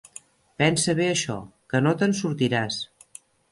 Pensa bé això: que no te'n sortiràs.